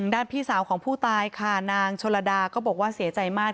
พี่สาวของผู้ตายค่ะนางชลดาก็บอกว่าเสียใจมาก